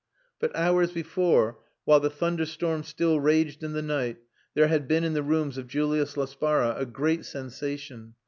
But hours before, while the thunderstorm still raged in the night, there had been in the rooms of Julius Laspara a great sensation.